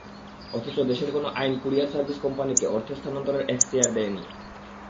অথচ দেশের কোনো আইন কুরিয়ার সার্ভিস কোম্পানিকে অর্থ স্থানান্তরের এখতিয়ার দেয়নি।